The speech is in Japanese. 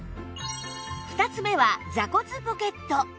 ２つ目は座骨ポケット